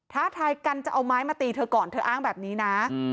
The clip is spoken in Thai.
ท้าทายกันจะเอาไม้มาตีเธอก่อนเธออ้างแบบนี้นะ